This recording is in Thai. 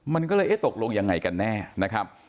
มันก็เลยเอ๊ะตกลงยังไงกันแน่นะครับ